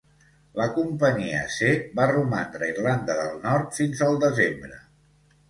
La companyia C va romandre a Irlanda del Nord fins al desembre.